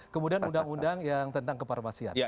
kemudian undang undang yang tentang keparmasian